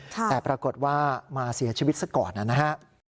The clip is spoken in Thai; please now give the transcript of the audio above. แต่ปรากฏว่ามาเสียชีวิตซะก่อนนะฮะ